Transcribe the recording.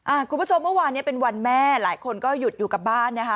คุณผู้ชมเมื่อวานเนี้ยเป็นวันแม่หลายคนก็หยุดอยู่กับบ้านนะคะ